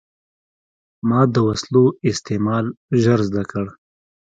ما د وسلو استعمال ژر زده کړ.